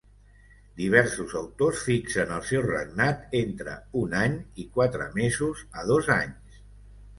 Diversos autors fixen el seu regnat entre un any i quatre mesos a dos anys.